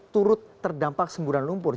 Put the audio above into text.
turut terdampak semburan lumpur